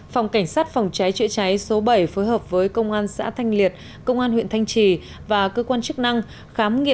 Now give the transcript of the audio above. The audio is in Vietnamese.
phòng cảnh sát phòng trái chữa trái số bảy phối hợp với công an xã thanh liệt công an huyện thanh trì và cơ quan chức năng